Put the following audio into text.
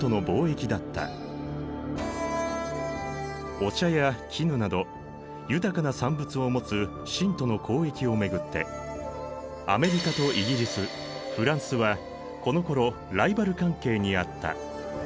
お茶や絹など豊かな産物を持つ清との交易を巡ってアメリカとイギリスフランスはこのころライバル関係にあった。